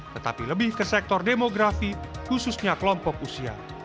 tetapi lebih ke sektor demografi khususnya kelompok usia